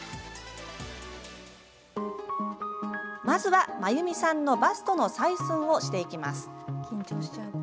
まずは、真由美さんのバストの採寸をしていきます。